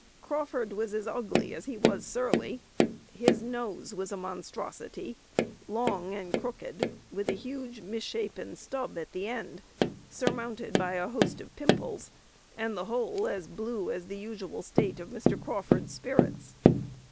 Crawford was as ugly as he was surly. His nose was a monstrosity, long and crooked, with a huge, misshapen "stub" at the end, surmounted by a host of pimples, and the whole as "blue" as the usual state of Mr. Crawford's spirits.